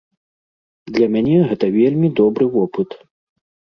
Для мяне гэта вельмі добры вопыт.